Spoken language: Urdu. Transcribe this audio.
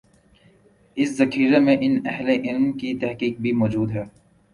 اسی ذخیرے میں ان اہل علم کی تحقیق بھی موجود ہے۔